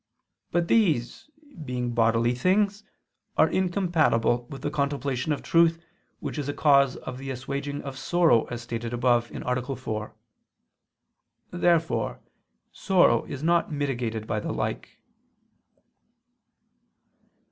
But these, being bodily things, are incompatible with the contemplation of truth which is a cause of the assuaging of sorrow, as stated above (A. 4). Therefore sorrow is not mitigated by the like.